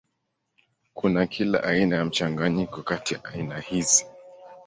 Kuna kila aina ya mchanganyiko kati ya aina hizi.